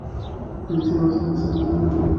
তিনি ছিলেন অনেক সম্পদশালী এবং সম্মানিত।